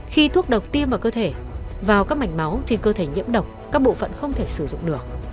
khi thuốc độc tiêm vào cơ thể vào các mảnh máu thì cơ thể nhiễm độc các bộ phận không thể sử dụng được